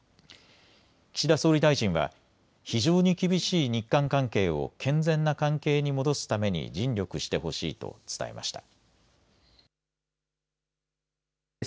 岸田総理大臣は非常に厳しい日韓関係を健全な関係に戻すために尽力してほしいと伝えました。